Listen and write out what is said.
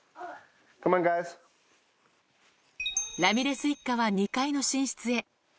ラミレス一家は２階の寝室へ。